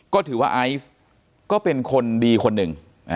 ก็ถือว่าไอซ์ก็เป็นคนดีคนหนึ่ง